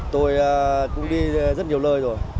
tôi cũng đi rất nhiều nơi rồi